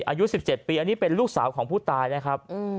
อายุ๑๗ปีอันนี้เป็นลูกสาวของผู้ตายนะครับ